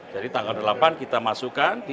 jadi tanggal delapan kita masukkan